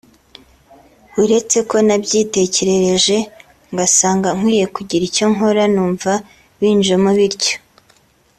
uretse ko nabyitekerereje ngasanga nkwiye kugira icyo nkora numva binjemo bityo”